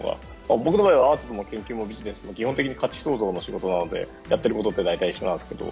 僕の場合アートも研究もビジネスも基本的に価値創造の仕事なのでやってることは大体一緒なんですけど。